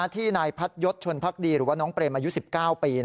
ที่นายพัดยศชนพักดีหรือว่าน้องเปรมอายุ๑๙ปี